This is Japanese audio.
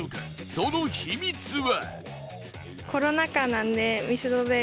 その秘密は？